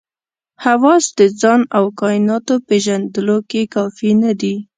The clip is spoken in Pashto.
حواس د ځان او کایناتو پېژندلو کې کافي نه دي.